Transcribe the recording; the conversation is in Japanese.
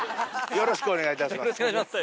よろしくお願いします。